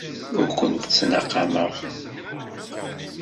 Ur kent-ttnaqameɣ.